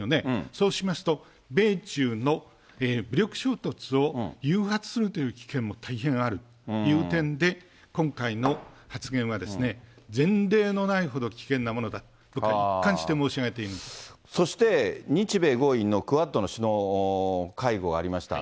そうしますと、米中の武力衝突を誘発するという危険も大変あるという点で、今回の発言は前例のないほど危険なものだと、そして、日米豪印のクアッドの首脳会合ありました。